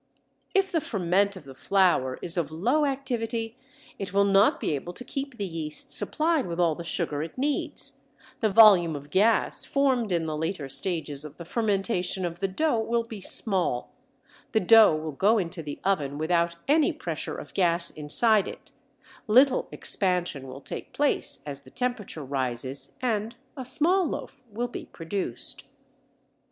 If the ferment of the flour is of low activity it will not be able to keep the yeast supplied with all the sugar it needs, the volume of gas formed in the later stages of the fermentation of the dough will be small, the dough will go into the oven without any pressure of gas inside it, little expansion will take place as the temperature rises, and a small loaf will be produced.